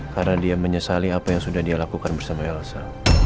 karena dia menyesali apa yang sudah dia lakukan bersama elsa